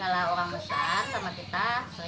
kalau orang besar sama kita seribu